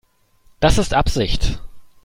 Das ist Absicht.